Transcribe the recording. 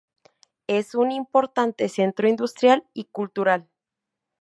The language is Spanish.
Es un importante centro industrial y cultural.